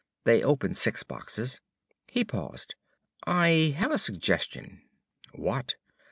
They opened six boxes." He paused. "I have a suggestion." "What?"